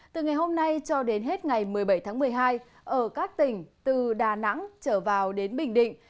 từ ngày hôm nay cho đến hết ngày một mươi bảy tháng một mươi hai ở các tỉnh từ đà nẵng trở vào đến bình định